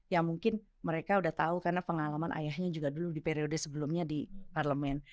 ya mungkin mereka udah tahu karena pengalaman ayahnya juga dulu di periode sebelumnya di parlemen